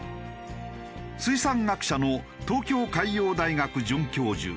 水産学者の東京海洋大学准教授